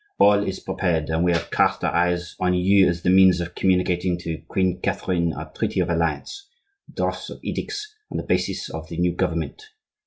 All is prepared, and we have cast our eyes on you as the means of communicating to Queen Catherine our treaty of alliance, the drafts of edicts, and the bases of the new government.